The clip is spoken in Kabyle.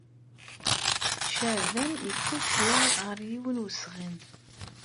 Caɛban yekkuki ɣer yiwen n usɣim.